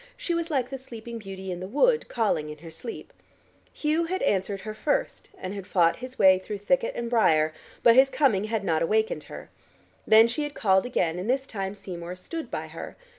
She was like the Sleeping Beauty in the Wood, calling in her sleep. Hugh had answered her first and had fought his way through thicket and briar, but his coming had not awakened her. Then she had called again, and this time Seymour stood by her.